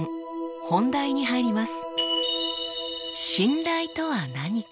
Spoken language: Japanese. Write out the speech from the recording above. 本題に入ります。